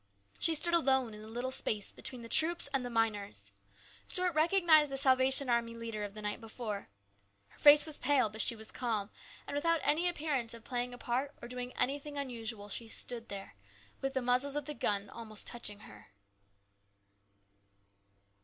She stood alone in the little space between the troops and the miners. Stuart recognized the Salvation Army leader of the night before. Her face was pale, but she was calm, and without any appearance of playing a part or doing anything unusual or unexpected she stood there, with the muzzles of the guns almost touching her.